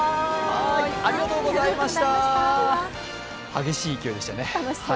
はーい、激しい勢いでしたね。